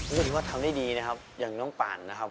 รู้สึกว่าทำได้ดีนะครับอย่างน้องป่านนะครับ